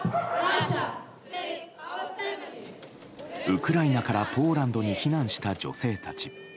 ウクライナからポーランドに避難した女性たち。